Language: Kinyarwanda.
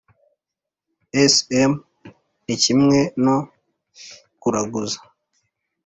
Sm ni kimwe no kuraguza